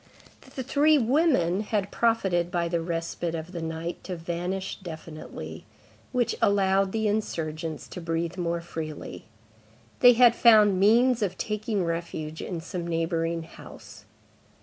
The three women had profited by the respite of the night to vanish definitely; which allowed the insurgents to breathe more freely. They had found means of taking refuge in some neighboring house.